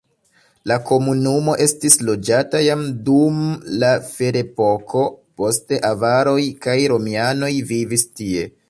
La komunumo estis loĝata jam dum la ferepoko, poste avaroj kaj romianoj vivis tie.